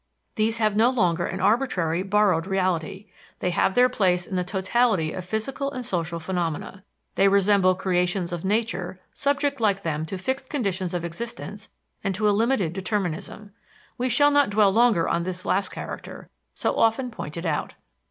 These have no longer an arbitrary, borrowed reality; they have their place in the totality of physical and social phenomena. They resemble creations of nature, subject like them to fixed conditions of existence and to a limited determinism. We shall not dwell longer on this last character, so often pointed out.